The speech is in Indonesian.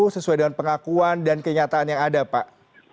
sesuai dengan pengakuan dan kenyataan yang ada pak